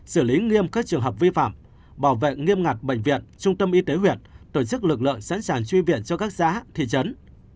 xử lý nghiêm các trường hợp vi phạm bảo vệ nghiêm ngặt bệnh viện trung tâm y tế huyện tổ chức lực lượng sẵn sàng truy viện cho các xã thị trấn